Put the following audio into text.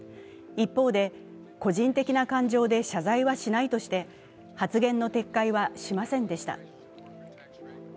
一方で、個人的な感情で、謝罪はしないとして、発言の撤回はしませんでした。